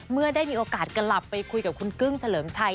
เมื่อได้มีโอกาสกลับไปคุยกับคุณกึ้งเฉลิมชัย